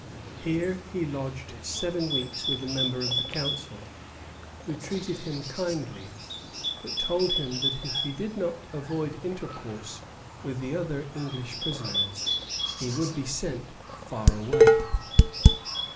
Here he lodged seven weeks with a member of the council, who treated him kindly, but told him that if he did not avoid intercourse with the other English prisoners he would be sent farther away.